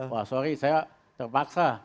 wah sorry saya terpaksa